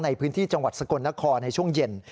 ในพื้นที่จังหวัดสกลนครในช่วงเย็น